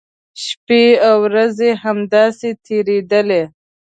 شپی او ورځې همداسې تېریدلې.